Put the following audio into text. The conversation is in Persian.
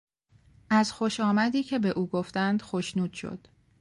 از خوش آمدی که به او گفتند خوشنود شد.